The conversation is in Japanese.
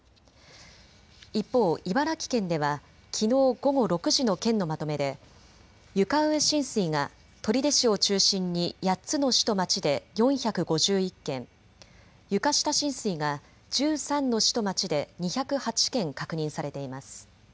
一方、茨城県ではきのう午後６時の県のまとめで床上浸水が取手市を中心に８つの市と町で４５１件、床下浸水が１３の市と町で２０８件確認されています。